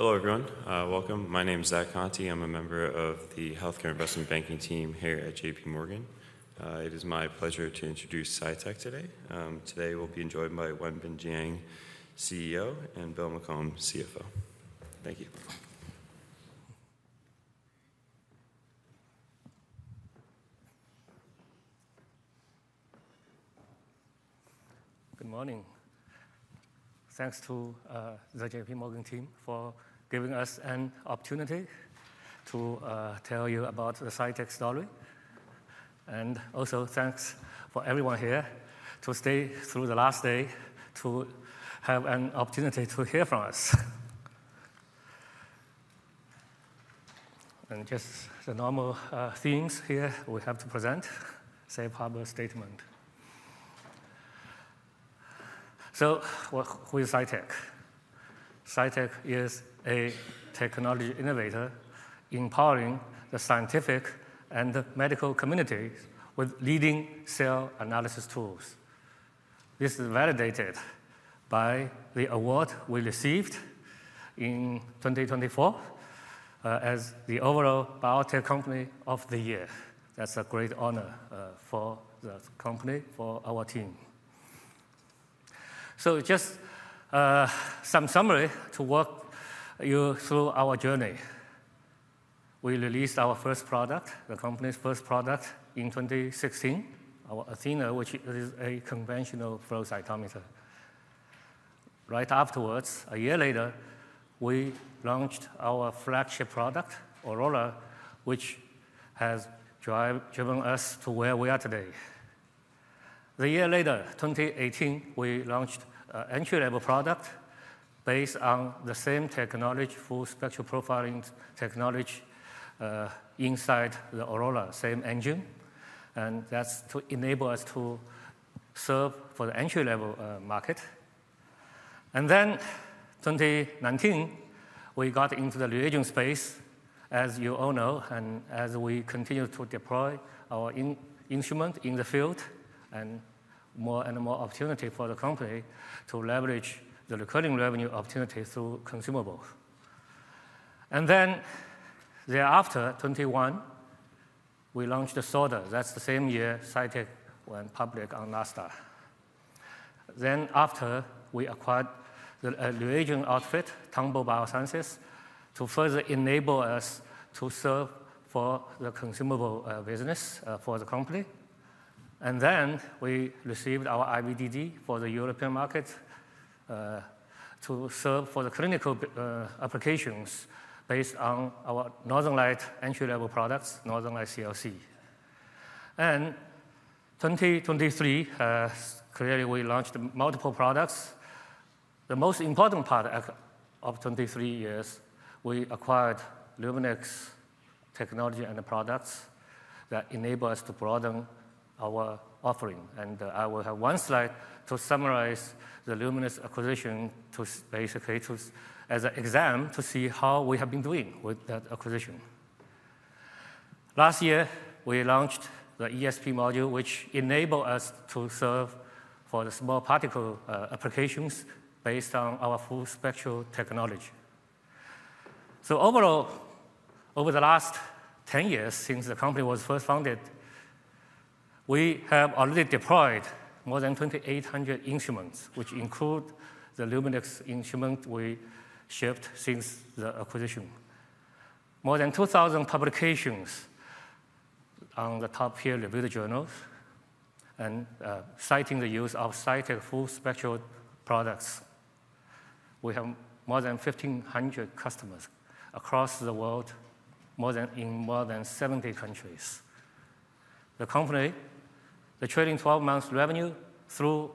Hello, everyone. Welcome. My name is Zack Conte. I'm a member of the Healthcare Investment Banking team here at J.P. Morgan. It is my pleasure to introduce Cytek today. Today we'll be joined by Wenbin Jiang, CEO, and Bill McCombe, CFO. Thank you. Good morning. Thanks to the J.P. Morgan team for giving us an opportunity to tell you about the Cytek story. And also, thanks for everyone here to stay through the last day to have an opportunity to hear from us. And just the normal things here we have to present, say a proper statement. So who is Cytek? Cytek is a technology innovator empowering the scientific and medical community with leading cell analysis tools. This is validated by the award we received in 2024 as the overall BioTech Company of the Year. That's a great honor for the company, for our team. So just some summary to walk you through our journey. We released our first product, the company's first product, in 2016, our Athena, which is a conventional flow cytometer. Right afterwards, a year later, we launched our flagship product, Aurora, which has driven us to where we are today. A year later, 2018, we launched an entry-level product based on the same technology, full spectral profiling technology, inside the Aurora, same engine. And that's to enable us to serve for the entry-level market. And then, 2019, we got into the reagent space, as you all know, and as we continue to deploy our instrument in the field and more and more opportunity for the company to leverage the recurring revenue opportunity through consumables. And then, thereafter, 2021, we launched the sorter. That's the same year Cytek went public on Nasdaq. Then after, we acquired the reagent outfit, Tonbo Biosciences, to further enable us to serve for the consumable business for the company. And then, we received our IVDD for the European market to serve for the clinical applications based on our Northern Lights entry-level products, Northern Lights CLC. And 2023, clearly, we launched multiple products. The most important part of 2023 is we acquired Luminex technology and the products that enable us to broaden our offering. I will have one slide to summarize the Luminex acquisition, basically as an example to see how we have been doing with that acquisition. Last year, we launched the ESP module, which enabled us to serve for the small particle applications based on our full spectral technology. Overall, over the last 10 years, since the company was first founded, we have already deployed more than 2,800 instruments, which include the Luminex instruments we shipped since the acquisition, more than 2,000 publications on the top-tier reviewed journals, and citing the use of Cytek full spectral products. We have more than 1,500 customers across the world, in more than 70 countries. The company's trailing 12-month revenue through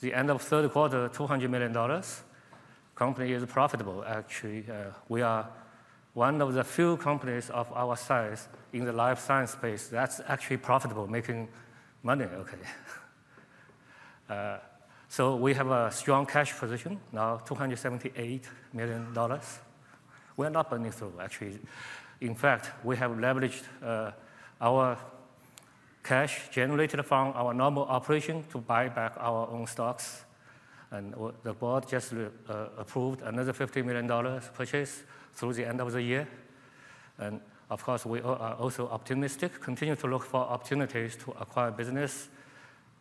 the end of third quarter: $200 million. The company is profitable, actually. We are one of the few companies of our size in the life science space that's actually profitable, making money, OK, so we have a strong cash position now, $278 million. We are not burning through, actually. In fact, we have leveraged our cash generated from our normal operation to buy back our own stocks, and the board just approved another $50 million purchase through the end of the year, and of course, we are also optimistic, continue to look for opportunities to acquire business.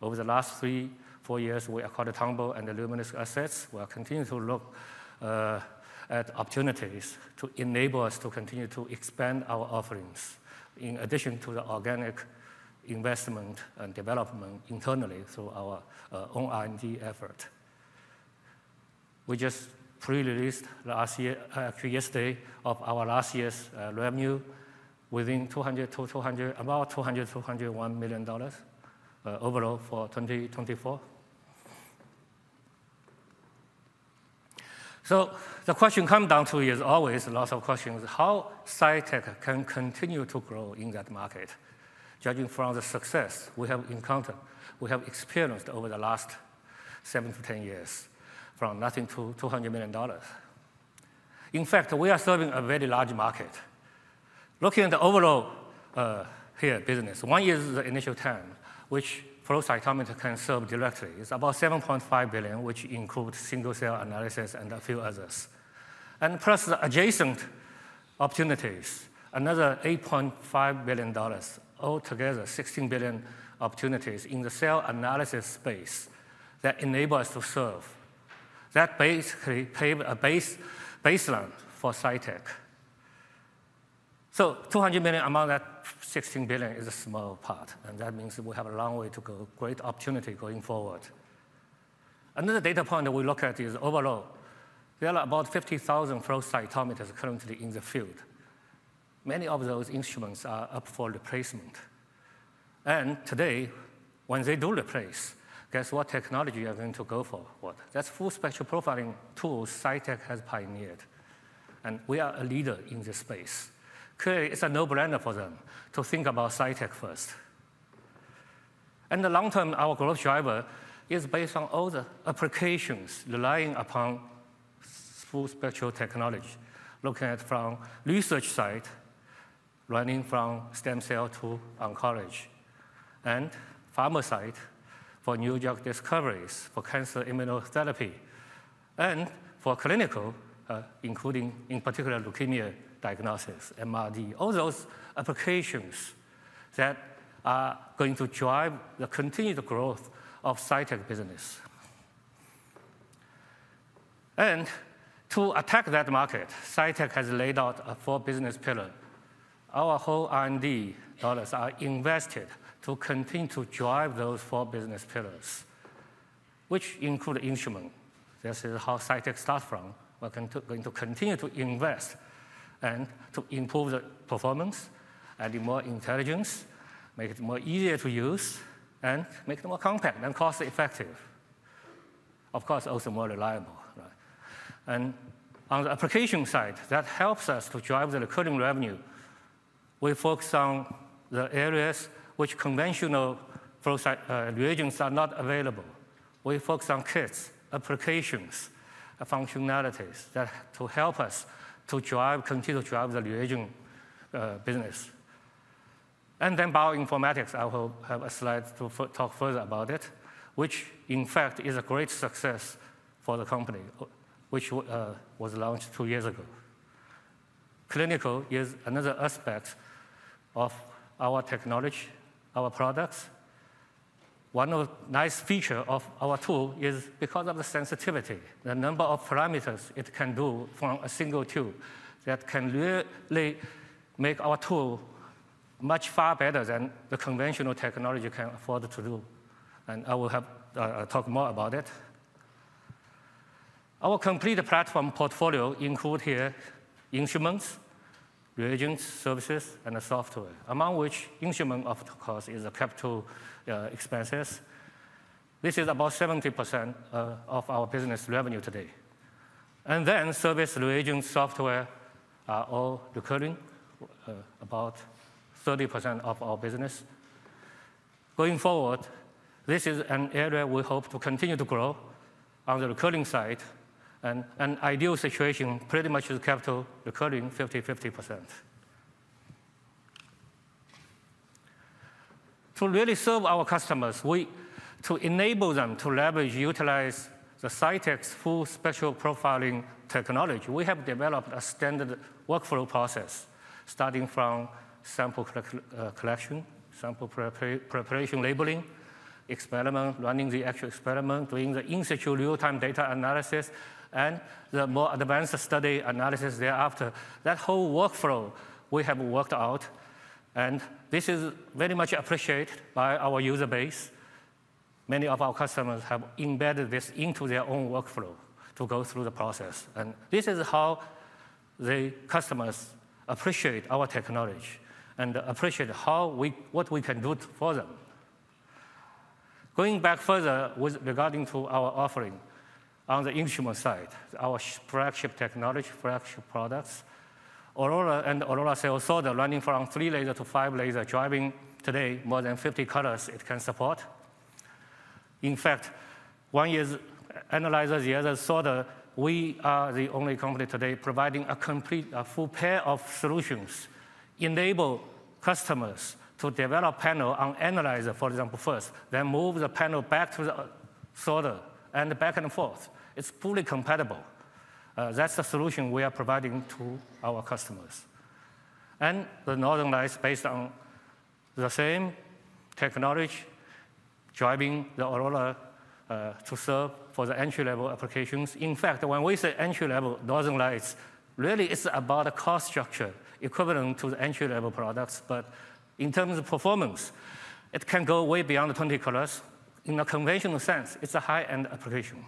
Over the last three, four years, we acquired Tonbo and the Luminex assets. We are continuing to look at opportunities to enable us to continue to expand our offerings in addition to the organic investment and development internally through our own R&D effort. We just pre-released last year, actually yesterday, of our last year's revenue within 200 to 200, about $200-$201 million overall for 2024. So the question comes down to, is always lots of questions, how Cytek can continue to grow in that market, judging from the success we have encountered, we have experienced over the last seven to 10 years from nothing to $200 million. In fact, we are serving a very large market. Looking at the overall here business, one is the initial TAM, which flow cytometer can serve directly. It's about $7.5 billion, which includes single-cell analysis and a few others. And plus the adjacent opportunities, another $8.5 billion, altogether $16 billion opportunities in the cell analysis space that enables us to serve. That basically paved a baseline for Cytek. So $200 million among that $16 billion is a small part. And that means we have a long way to go, great opportunity going forward. Another data point that we look at is overall, there are about 50,000 flow cytometers currently in the field. Many of those instruments are up for replacement. And today, when they do replace, guess what technology are we going to go for? That's full spectral profiling tools Cytek has pioneered. And we are a leader in this space. Clearly, it's a no-brainer for them to think about Cytek first. And in the long term, our growth driver is based on all the applications relying upon full spectral technology, looking at from research side, ranging from stem cell to oncology, and pharma side for new drug discoveries, for cancer immunotherapy, and for clinical, including in particular leukemia diagnosis, MRD. All those applications that are going to drive the continued growth of Cytek business. And to attack that market, Cytek has laid out a four business pillar. Our whole R&D dollars are invested to continue to drive those four business pillars, which include instruments. This is how Cytek starts from. We're going to continue to invest and to improve the performance and the more intelligence, make it more easier to use, and make it more compact and cost-effective. Of course, also more reliable. And on the application side, that helps us to drive the recurring revenue. We focus on the areas which conventional reagents are not available. We focus on kits, applications, functionalities that help us to continue to drive the reagent business. And then bioinformatics, I will have a slide to talk further about it, which in fact is a great success for the company, which was launched two years ago. Clinical is another aspect of our technology, our products. One nice feature of our tool is because of the sensitivity, the number of parameters it can do from a single tool that can really make our tool much far better than the conventional technology can afford to do. And I will talk more about it. Our complete platform portfolio includes here instruments, reagents, services, and software, among which instruments, of course, are capital expenses. This is about 70% of our business revenue today. And then services, reagents, software are all recurring, about 30% of our business. Going forward, this is an area we hope to continue to grow on the recurring side. And an ideal situation pretty much is capital recurring, 50/50%. To really serve our customers, to enable them to leverage, utilize the Cytek's full spectral profiling technology, we have developed a standard workflow process starting from sample collection, sample preparation, labeling, experiment, running the actual experiment, doing the in-situ real-time data analysis, and the more advanced study analysis thereafter. That whole workflow we have worked out. This is very much appreciated by our user base. Many of our customers have embedded this into their own workflow to go through the process. This is how the customers appreciate our technology and appreciate what we can do for them. Going back further regarding to our offering on the instrument side, our flagship technology, flagship products, Aurora and Aurora cell sorter, running from three laser to five laser, driving today more than 50 colors it can support. In fact, one is analyzer, the other sorter. We are the only company today providing a complete full spectrum of solutions that enable customers to develop panel on analyzer, for example, first, then move the panel back to the sorter and back and forth. It's fully compatible. That's the solution we are providing to our customers. And the Northern Lights is based on the same technology, driving the Aurora to serve for the entry-level applications. In fact, when we say entry-level Northern Lights, really it's about a cost structure equivalent to the entry-level products. But in terms of performance, it can go way beyond the 20 colors. In the conventional sense, it's a high-end application.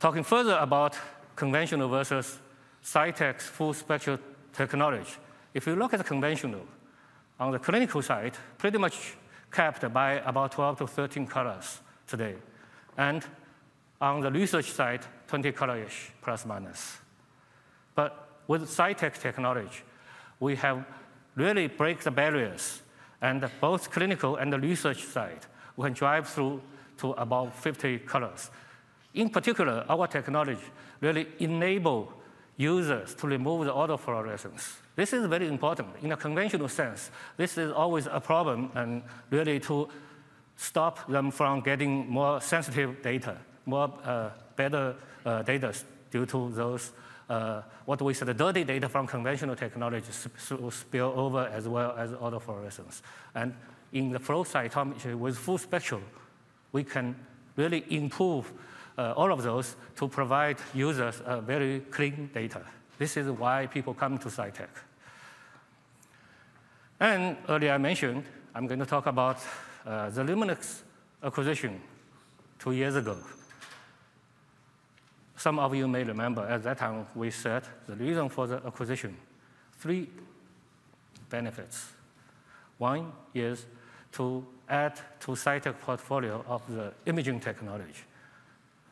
Talking further about conventional versus Cytek's full spectral technology, if you look at the conventional, on the clinical side, pretty much capped by about 12-13 colors today. On the research side, 20 color-ish, plus-minus. But with Cytek technology, we have really break the barriers. And both clinical and the research side, we can drive through to about 50 colors. In particular, our technology really enables users to remove the autofluorescence. This is very important. In a conventional sense, this is always a problem and really to stop them from getting more sensitive data, more better data due to those what we say the dirty data from conventional technology spill over as well as autofluorescence. And in the flow cytometry with full spectral, we can really improve all of those to provide users very clean data. This is why people come to Cytek. And earlier I mentioned, I'm going to talk about the Luminex acquisition two years ago. Some of you may remember at that time we said the reason for the acquisition, three benefits. One is to add to Cytek portfolio of the imaging technology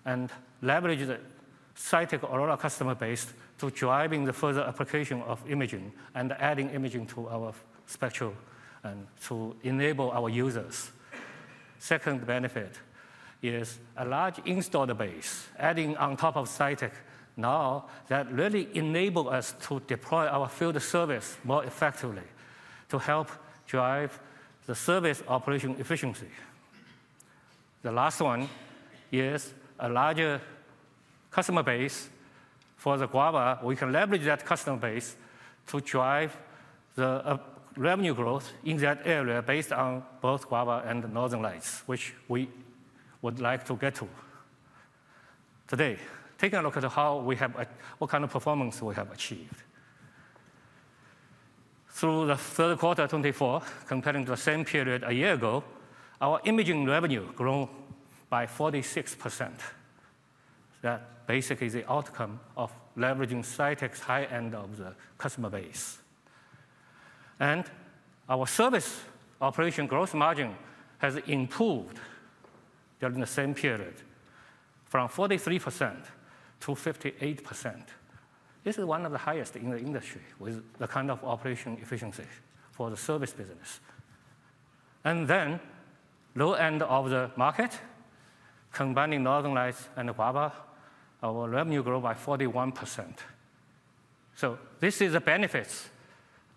and leverage the Cytek Aurora customer base to drive the further application of imaging and adding imaging to our spectrum and to enable our users. Second benefit is a large installed base, adding on top of Cytek now that really enables us to deploy our field service more effectively to help drive the service operation efficiency. The last one is a larger customer base for the Guava. We can leverage that customer base to drive the revenue growth in that area based on both Guava and Northern Lights, which we would like to get to today. Taking a look at how we have what kind of performance we have achieved. Through the third quarter 2024, comparing to the same period a year ago, our imaging revenue grew by 46%. That basically is the outcome of leveraging Cytek's high end of the customer base. And our service operation growth margin has improved during the same period from 43% to 58%. This is one of the highest in the industry with the kind of operation efficiency for the service business. And then low end of the market, combining Northern Lights and Guava, our revenue grew by 41%. So this is the benefits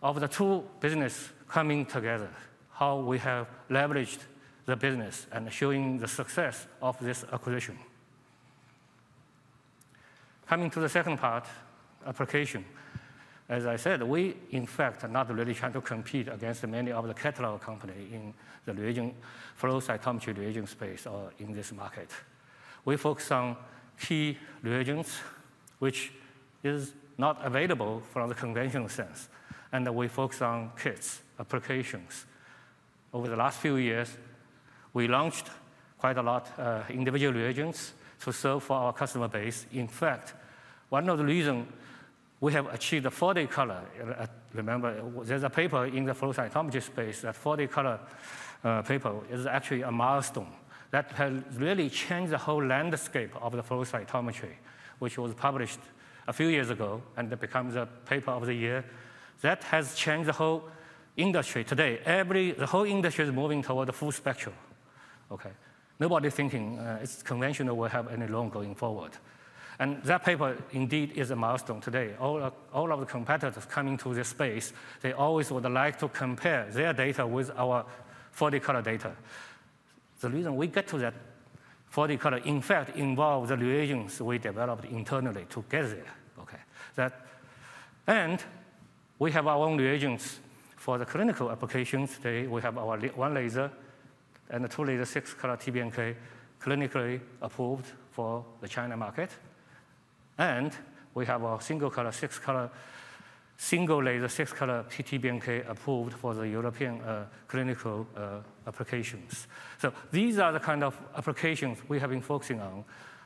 of the two businesses coming together, how we have leveraged the business and showing the success of this acquisition. Coming to the second part, application. As I said, we in fact are not really trying to compete against many of the catalog companies in the reagent flow cytometry reagent space or in this market. We focus on key reagents, which is not available from the conventional sense. And we focus on kits, applications. Over the last few years, we launched quite a lot of individual reagents to serve for our customer base. In fact, one of the reasons we have achieved the 40-color, remember, there's a paper in the flow cytometry space that 40-color paper is actually a milestone that has really changed the whole landscape of the flow cytometry, which was published a few years ago and becomes a paper of the year that has changed the whole industry today. The whole industry is moving toward the full spectrum. OK, nobody's thinking it's conventional will have any long going forward, and that paper indeed is a milestone today. All of the competitors coming to this space, they always would like to compare their data with our 40-color data. The reason we get to that 40-color in fact involves the reagents we developed internally together. We have our own reagents for the clinical applications today. We have our one laser and a two-laser six-color TBNK clinically approved for the China market. We have our single-color six-color single-laser six-color TBNK approved for the European clinical applications. These are the kind of applications we have been focusing on,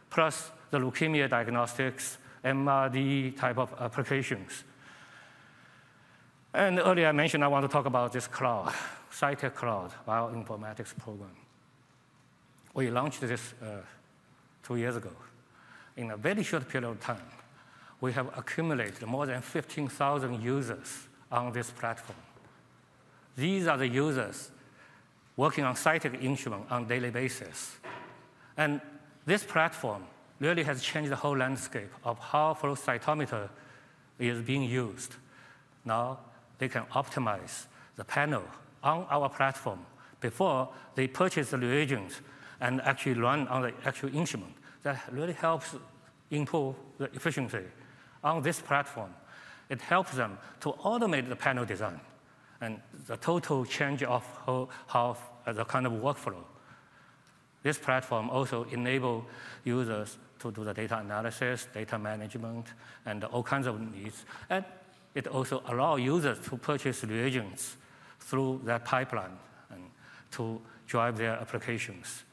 plus the leukemia diagnostics, MRD type of applications. Earlier I mentioned I want to talk about this cloud, Cytek Cloud, Bioinformatics Program. We launched this two years ago. In a very short period of time, we have accumulated more than 15,000 users on this platform. These are the users working on Cytek instruments on a daily basis. This platform really has changed the whole landscape of how flow cytometer is being used. Now they can optimize the panel on our platform before they purchase the reagent and actually run on the actual instrument. That really helps improve the efficiency on this platform. It helps them to automate the panel design and the total change of how the kind of workflow. This platform also enables users to do the data analysis, data management, and all kinds of needs, and it also allows users to purchase reagents through that pipeline and to drive their applications.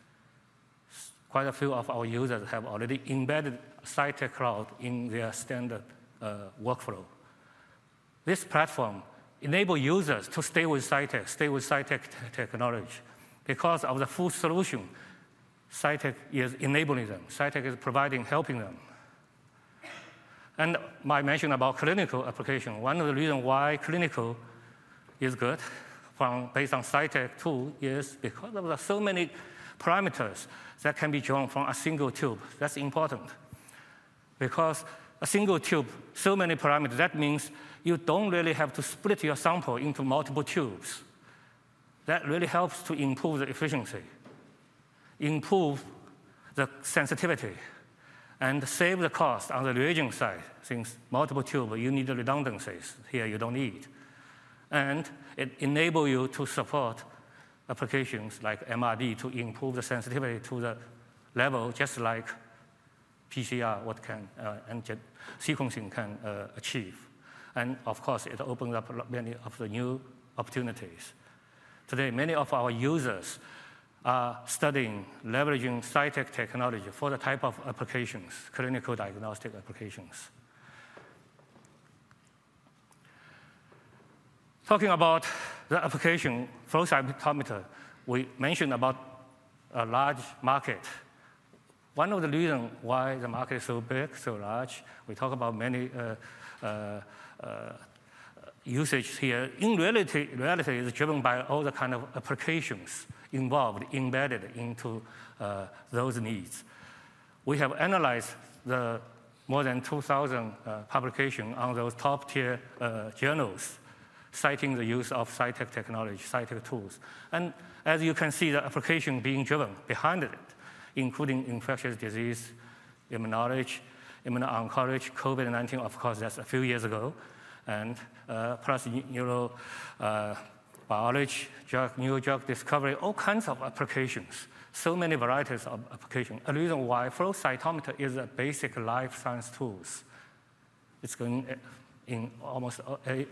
Quite a few of our users have already embedded Cytek Cloud in their standard workflow. This platform enables users to stay with Cytek, stay with Cytek technology. Because of the full solution, Cytek is enabling them. Cytek is providing, helping them, and my mention about clinical application, one of the reasons why clinical is good based on Cytek tool is because of the so many parameters that can be drawn from a single tube. That's important. Because a single tube, so many parameters, that means you don't really have to split your sample into multiple tubes. That really helps to improve the efficiency, improve the sensitivity, and save the cost on the reagent side since multiple tubes, you need the redundancies. Here you don't need. And it enables you to support applications like MRD to improve the sensitivity to the level just like PCR and sequencing can achieve. And of course, it opens up many of the new opportunities. Today, many of our users are studying, leveraging Cytek technology for the type of applications, clinical diagnostic applications. Talking about the application, flow cytometer, we mentioned about a large market. One of the reasons why the market is so big, so large, we talk about many usages here. In reality, it is driven by all the kind of applications involved embedded into those needs. We have analyzed the more than 2,000 publications on those top-tier journals, citing the use of Cytek technology, Cytek tools. And as you can see, the application being driven behind it, including infectious disease, immunology, immuno-oncology, COVID-19, of course, that's a few years ago. And plus neurobiology, drug, new drug discovery, all kinds of applications, so many varieties of application. The reason why flow cytometer is a basic life science tool is going in almost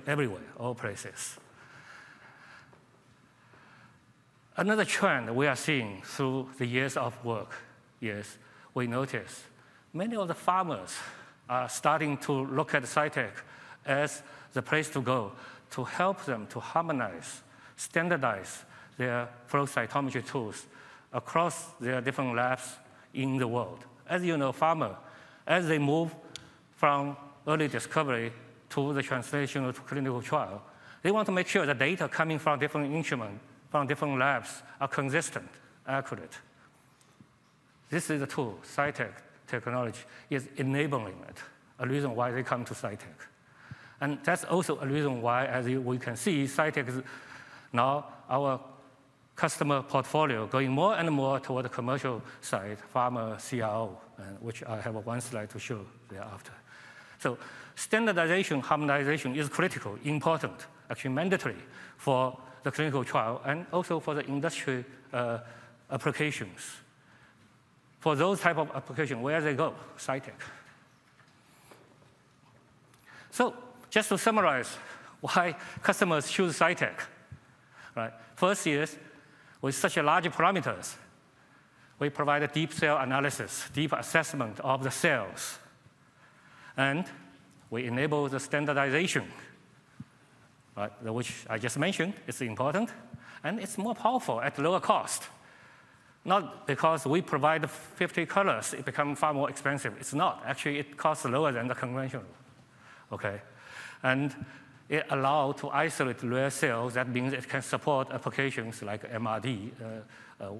everywhere, all places. Another trend we are seeing through the years of work is we notice many of the pharmas are starting to look at Cytek as the place to go to help them to harmonize, standardize their flow cytometry tools across their different labs in the world. As you know, pharma, as they move from early discovery to the translational to clinical trial, they want to make sure the data coming from different instruments, from different labs are consistent, accurate. This is a tool. Cytek technology is enabling it, a reason why they come to Cytek. And that's also a reason why, as we can see, Cytek is now our customer portfolio going more and more toward the commercial side, pharma CRO, which I have one slide to show thereafter. So standardization, harmonization is critical, important, mandatory for the clinical trial and also for the industry applications. For those type of applications, where do they go? Cytek. So just to summarize why customers choose Cytek, first is with such large parameters, we provide a deep cell analysis, deep assessment of the cells. And we enable the standardization, which I just mentioned is important. It's more powerful at lower cost. Not because we provide 50 colors, it becomes far more expensive. It's not. Actually, it costs lower than the conventional. It allows to isolate rare cells. That means it can support applications like MRD,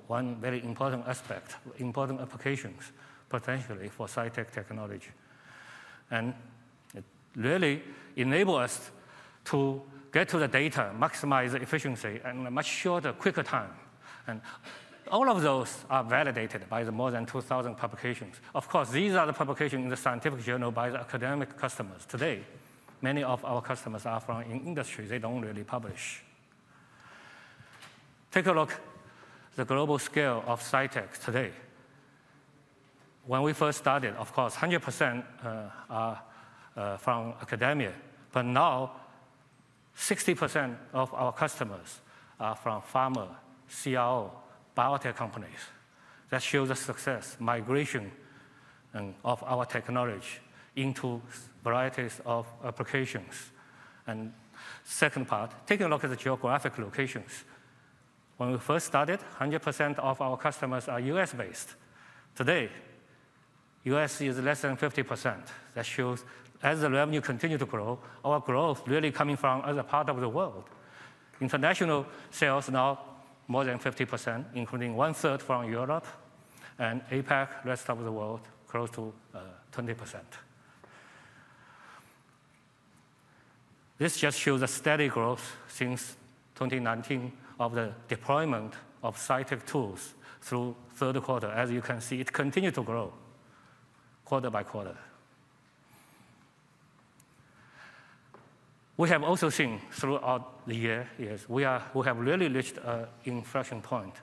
one very important aspect, important applications potentially for Cytek technology. It really enables us to get to the data, maximize the efficiency, and much shorter, quicker time. All of those are validated by the more than 2,000 publications. Of course, these are the publications in the scientific journal by the academic customers today. Many of our customers are from industry. They don't really publish. Take a look at the global scale of Cytek today. When we first started, of course, 100% are from academia. But now 60% of our customers are from pharma, CRO, biotech companies. That shows the success migration of our technology into varieties of applications. And second part, taking a look at the geographic locations. When we first started, 100% of our customers are U.S.-based. Today, U.S. is less than 50%. That shows as the revenue continues to grow, our growth really coming from other parts of the world. International sales now more than 50%, including one-third from Europe and APAC, rest of the world, close to 20%. This just shows a steady growth since 2019 of the deployment of Cytek tools through third quarter. As you can see, it continued to grow quarter by quarter. We have also seen throughout the year we have really reached an inflection point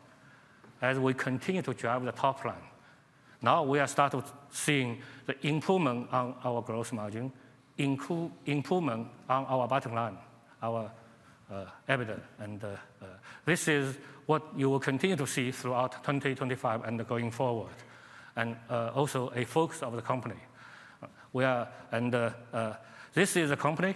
as we continue to drive the top line. Now we are starting to see the improvement on our gross margin, improvement on our bottom line, our EBITDA. This is what you will continue to see throughout 2025 and going forward. This is also a focus of the company. This is a company.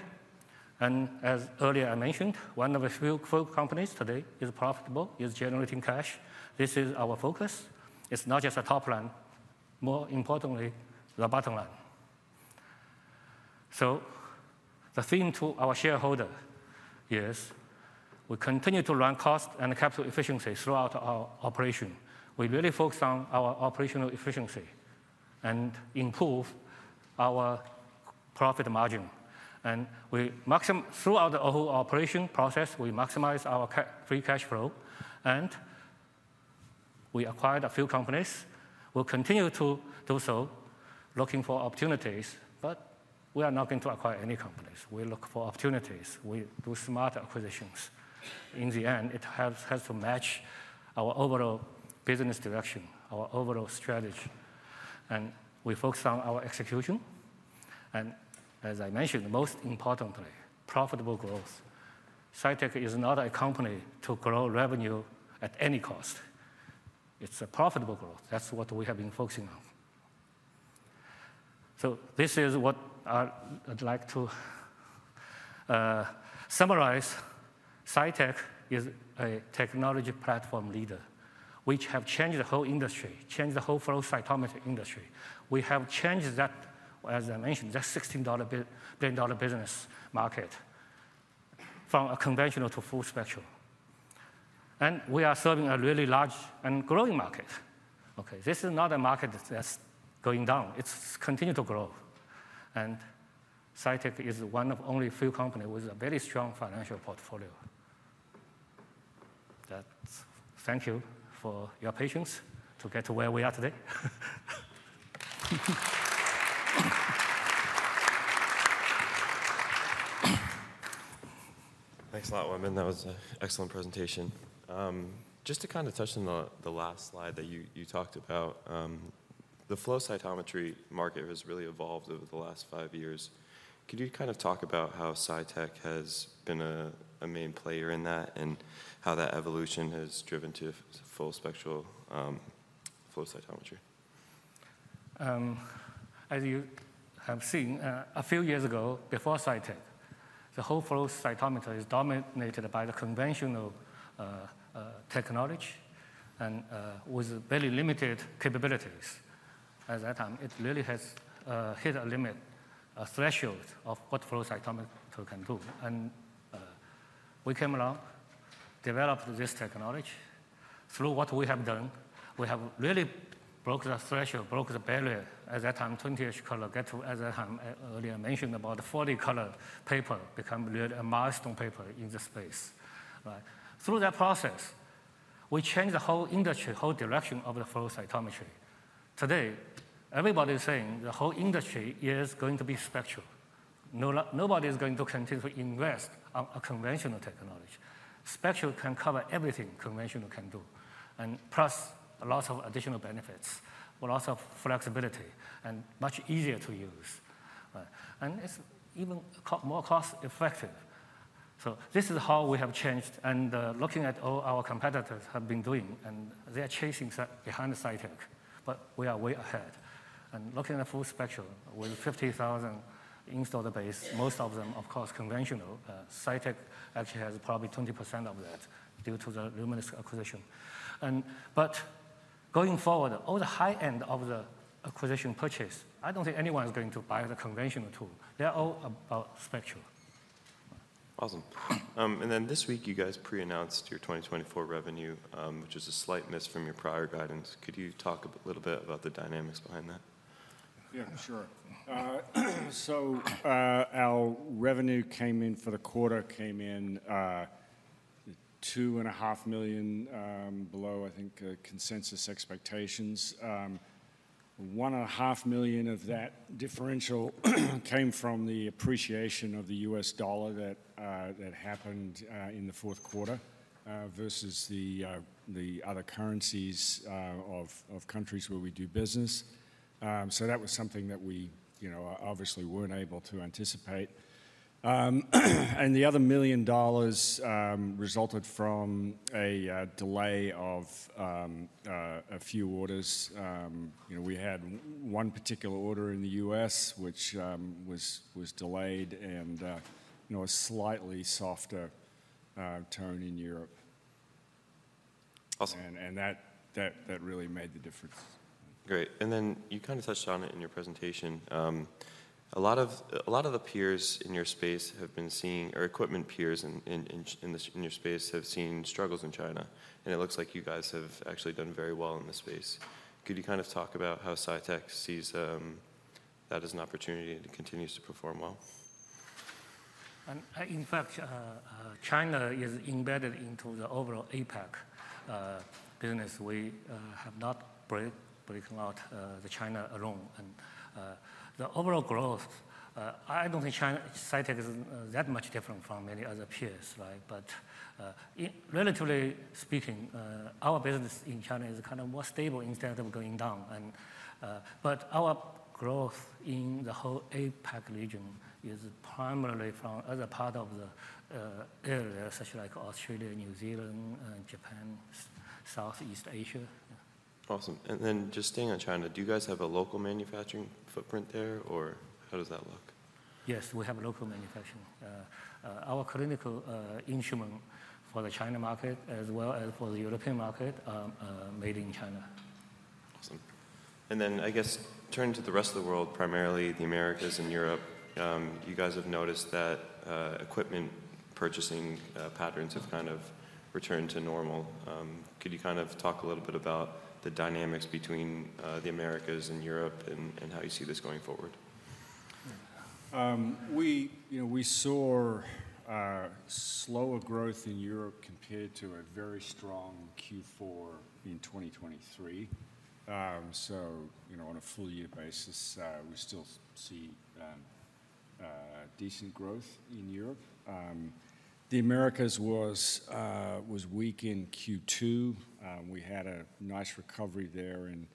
As earlier I mentioned, one of the few companies today is profitable, is generating cash. This is our focus. It's not just a top line. More importantly, the bottom line. The theme to our shareholder is we continue to run cost and capital efficiency throughout our operation. We really focus on our operational efficiency and improve our profit margin. Throughout the whole operation process, we maximize our free cash flow. We acquired a few companies. We'll continue to do so, looking for opportunities. We are not going to acquire any companies. We look for opportunities. We do smart acquisitions. In the end, it has to match our overall business direction, our overall strategy. We focus on our execution. As I mentioned, most importantly, profitable growth. Cytek is not a company to grow revenue at any cost. It's a profitable growth. That's what we have been focusing on. This is what I'd like to summarize. Cytek is a technology platform leader which has changed the whole industry, changed the whole flow cytometry industry. We have changed that, as I mentioned, that $16 billion business market from a conventional to full spectrum. We are serving a really large and growing market. This is not a market that's going down. It's continued to grow. Cytek is one of only a few companies with a very strong financial portfolio. Thank you for your patience to get to where we are today. Thanks a lot, Wenbin. That was an excellent presentation. Just to kind of touch on the last slide that you talked about, the flow cytometry market has really evolved over the last five years. Could you kind of talk about how Cytek has been a main player in that and how that evolution has driven to full spectral flow cytometry? As you have seen, a few years ago before Cytek, the whole flow cytometer is dominated by the conventional technology and with very limited capabilities. At that time, it really has hit a limit, a threshold of what flow cytometer can do, and we came along, developed this technology. Through what we have done, we have really broken the threshold, broken the barrier. At that time, 20-ish colors got to, as I earlier mentioned, about 40-color paper became really a milestone paper in the space. Through that process, we changed the whole industry, whole direction of the flow cytometry. Today, everybody is saying the whole industry is going to be spectral. Nobody is going to continue to invest on a conventional technology. Spectral can cover everything conventional can do, and plus lots of additional benefits, lots of flexibility, and much easier to use, and it's even more cost-effective. This is how we have changed. Looking at all our competitors have been doing, and they are chasing behind Cytek. We are way ahead. Looking at full spectral with 50,000 installed base, most of them, of course, conventional, Cytek actually has probably 20% of that due to the Luminex acquisition. Going forward, all the high-end of the acquisition purchase, I don't think anyone is going to buy the conventional tool. They're all about spectral. Awesome. And then this week, you guys pre-announced your 2024 revenue, which is a slight miss from your prior guidance. Could you talk a little bit about the dynamics behind that? Yeah, sure. So our revenue came in for the quarter, came in $2.5 million below, I think, consensus expectations. $1.5 million of that differential came from the appreciation of the U.S. dollar that happened in the fourth quarter versus the other currencies of countries where we do business. So that was something that we obviously weren't able to anticipate. And the other $1 million resulted from a delay of a few orders. We had one particular order in the U.S., which was delayed, and a slightly softer tone in Europe. And that really made the difference. Great. And then you kind of touched on it in your presentation. A lot of the peers in your space have been seeing, or equipment peers in your space have seen struggles in China. And it looks like you guys have actually done very well in the space. Could you kind of talk about how Cytek sees that as an opportunity and continues to perform well? In fact, China is embedded into the overall APAC business. We are not breaking out China alone, and the overall growth, I don't think Cytek is that much different from many other peers, but relatively speaking, our business in China is kind of more stable instead of going down, but our growth in the whole APAC region is primarily from other parts of the area, such as Australia, New Zealand, Japan, Southeast Asia. Awesome. And then, just staying on China, do you guys have a local manufacturing footprint there, or how does that look? Yes, we have local manufacturing. Our clinical instrument for the China market, as well as for the European market, made in China. Awesome. And then I guess turning to the rest of the world, primarily the Americas and Europe, you guys have noticed that equipment purchasing patterns have kind of returned to normal. Could you kind of talk a little bit about the dynamics between the Americas and Europe and how you see this going forward? We saw a slower growth in Europe compared to a very strong Q4 in 2023, so on a full year basis, we still see decent growth in Europe. The Americas was weak in Q2. We had a nice recovery there in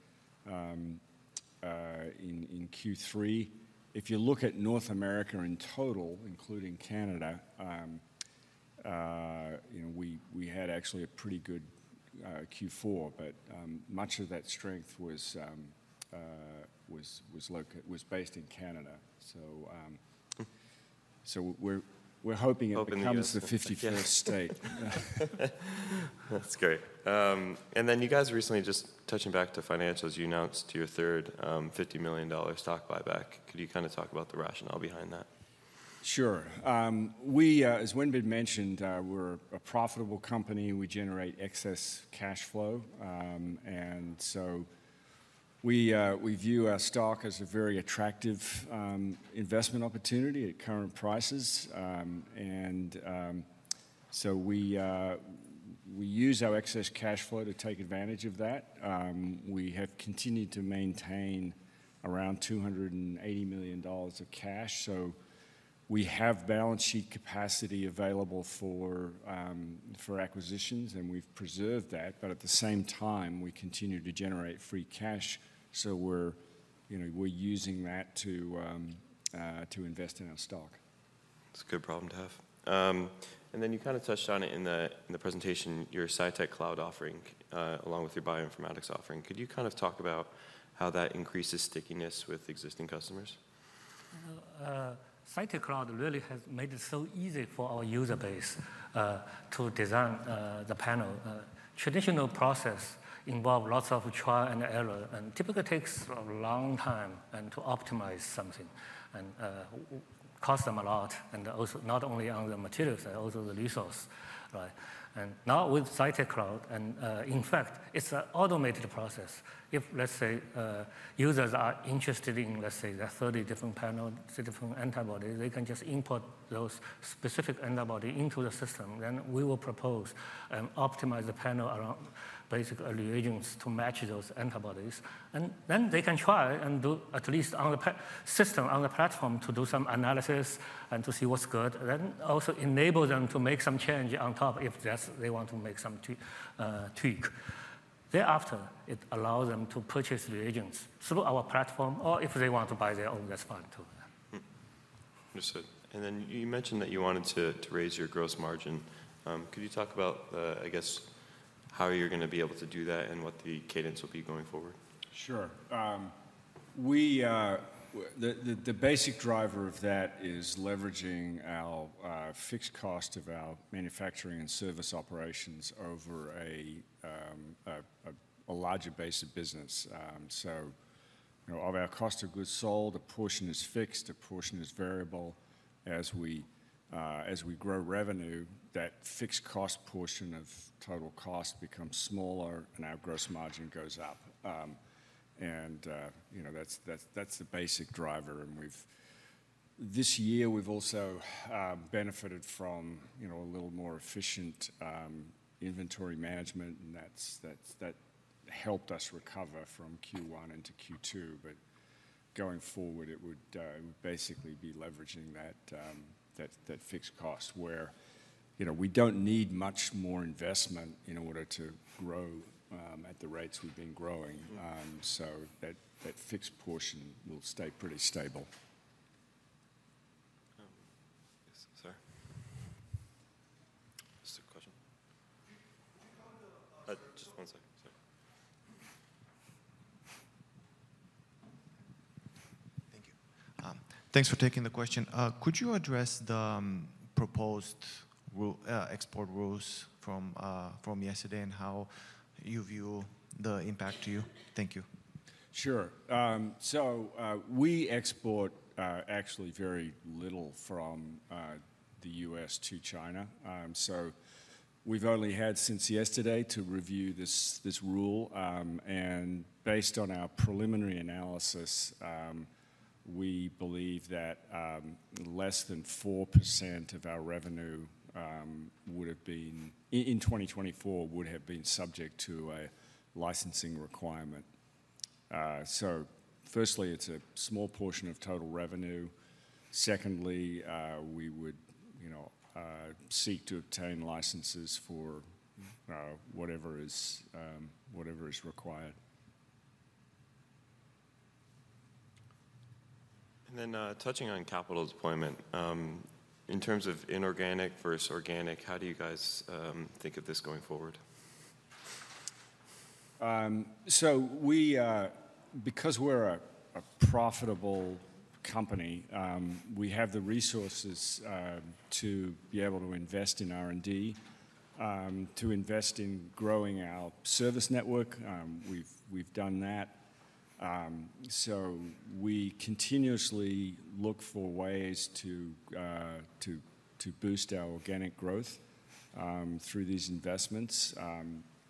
Q3. If you look at North America in total, including Canada, we had actually a pretty good Q4, but much of that strength was based in Canada, so we're hoping it becomes the 51st state. That's great. And then you guys recently just touching back to financials, you announced your third $50 million stock buyback. Could you kind of talk about the rationale behind that? Sure. As Wenbin mentioned, we're a profitable company. We generate excess cash flow, and so we view our stock as a very attractive investment opportunity at current prices, and so we use our excess cash flow to take advantage of that. We have continued to maintain around $280 million of cash, so we have balance sheet capacity available for acquisitions, and we've preserved that, but at the same time, we continue to generate free cash, so we're using that to invest in our stock. That's a good problem to have. And then you kind of touched on it in the presentation, your Cytek Cloud offering along with your bioinformatics offering. Could you kind of talk about how that increases stickiness with existing customers? Cytek Cloud really has made it so easy for our user base to design the panel. Traditional process involves lots of trial and error and typically takes a long time to optimize something and costs them a lot. And also not only on the materials, also the resource. And now with Cytek Cloud, in fact, it's an automated process. If, let's say, users are interested in, let's say, 30 different panels, 30 different antibodies, they can just input those specific antibodies into the system. Then we will propose and optimize the panel around basic reagents to match those antibodies. And then they can try and do at least on the system, on the platform, to do some analysis and to see what's good. Then also enable them to make some change on top if they want to make some tweak. Thereafter, it allows them to purchase reagents through our platform, or if they want to buy their own, that's fine too. Understood. And then you mentioned that you wanted to raise your gross margin. Could you talk about, I guess, how you're going to be able to do that and what the cadence will be going forward? Sure. The basic driver of that is leveraging our fixed cost of our manufacturing and service operations over a larger base of business. So of our cost of goods sold, a portion is fixed, a portion is variable. As we grow revenue, that fixed cost portion of total cost becomes smaller and our gross margin goes up. And that's the basic driver. This year, we've also benefited from a little more efficient inventory management, and that helped us recover from Q1 into Q2. But going forward, it would basically be leveraging that fixed cost where we don't need much more investment in order to grow at the rates we've been growing. So that fixed portion will stay pretty stable. Sorry. Just a question. Just one second. Sorry. Thank you. Thanks for taking the question. Could you address the proposed export rules from yesterday and how you view the impact to you? Thank you. Sure, so we export actually very little from the U.S. to China. So we've only had since yesterday to review this rule, and based on our preliminary analysis, we believe that less than 4% of our revenue in 2024 would have been subject to a licensing requirement, so firstly, it's a small portion of total revenue. Secondly, we would seek to obtain licenses for whatever is required. And then touching on capital deployment, in terms of inorganic versus organic, how do you guys think of this going forward? Because we're a profitable company, we have the resources to be able to invest in R&D, to invest in growing our service network. We've done that. We continuously look for ways to boost our organic growth through these investments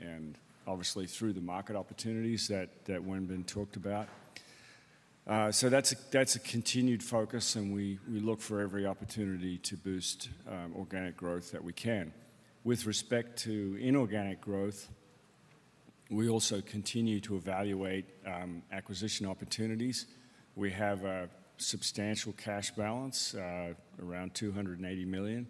and obviously through the market opportunities that Wenbin talked about. That's a continued focus, and we look for every opportunity to boost organic growth that we can. With respect to inorganic growth, we also continue to evaluate acquisition opportunities. We have a substantial cash balance, around $280 million.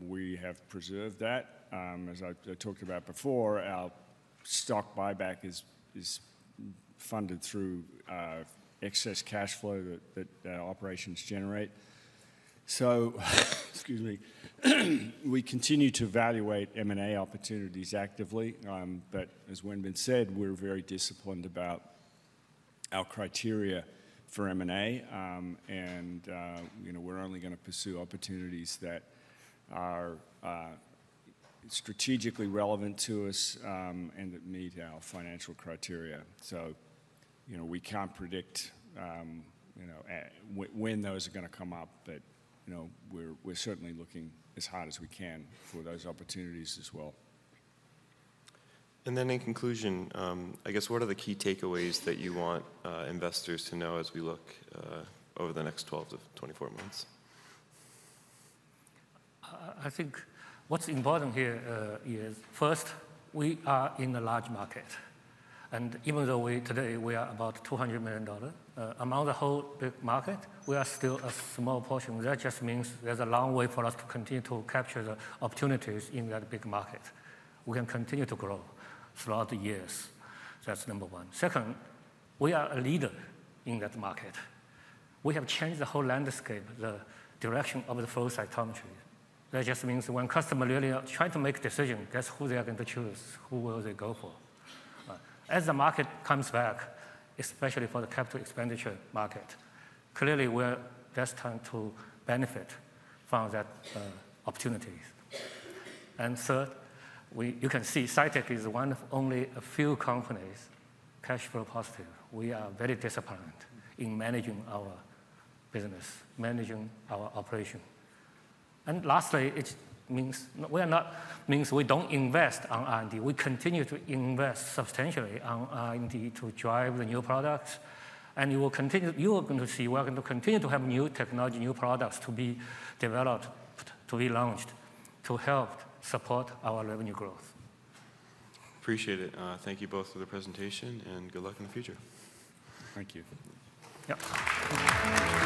We have preserved that. As I talked about before, our stock buyback is funded through excess cash flow that operations generate. We continue to evaluate M&A opportunities actively. But as Wenbin said, we're very disciplined about our criteria for M&A, and we're only going to pursue opportunities that are strategically relevant to us and that meet our financial criteria. So we can't predict when those are going to come up, but we're certainly looking as hard as we can for those opportunities as well. In conclusion, I guess what are the key takeaways that you want investors to know as we look over the next 12-24 months? I think what's important here is first, we are in a large market and even though today we are about $200 million among the whole big market, we are still a small portion. That just means there's a long way for us to continue to capture the opportunities in that big market. We can continue to grow throughout the years. That's number one. Second, we are a leader in that market. We have changed the whole landscape, the direction of the flow cytometry. That just means when customers really are trying to make a decision, guess who they are going to choose, who will they go for? As the market comes back, especially for the capital expenditure market, clearly we're destined to benefit from that opportunity and third, you can see Cytek is one of only a few companies cash flow positive. We are very disciplined in managing our business, managing our operation. And lastly, it means we don't invest on R&D. We continue to invest substantially on R&D to drive the new products. And you are going to see we are going to continue to have new technology, new products to be developed, to be launched, to help support our revenue growth. Appreciate it. Thank you both for the presentation and good luck in the future. Thank you.